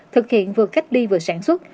thực hiện vừa cách đi vừa sản xuất